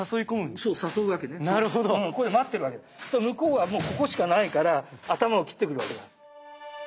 すると向こうはもうここしかないから頭を斬ってくるわけだ。